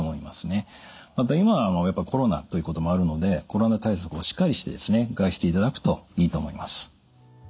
また今はコロナということもあるのでコロナ対策をしっかりしてですね外出していただくといいと思います。